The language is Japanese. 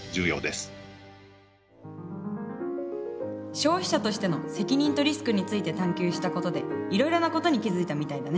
消費者としての責任とリスクについて探究したことでいろいろなことに気付いたみたいだね。